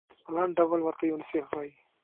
په لنډ ډول ورته یونیسف وايي.